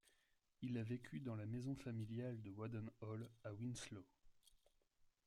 Il a vécu dans la maison familiale de Waddon Hall, à Winslow.